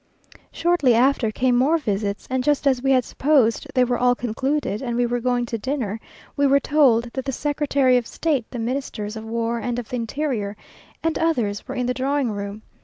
Shortly after came more visits, and just as we had supposed they were all concluded, and we were going to dinner, we were told that the secretary of state, the Ministers of war and of the interior, and others, were in the drawing room.